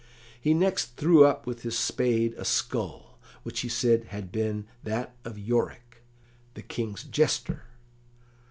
He next threw up with his spade a skull, which he said had been that of Yorick, the King's jester.